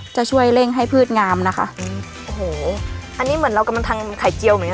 จะช่วยเร่งให้พืชงามนะคะอืมโอ้โหอันนี้เหมือนเรากำลังทำไข่เจียวเหมือนกัน